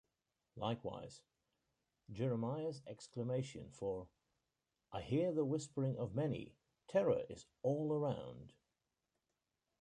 Likewise, Jeremiah's exclamation For I hear the whispering of many: Terror is all around!